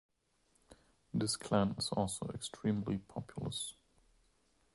This clan is also extremely populous.